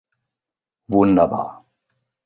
Wunderbar.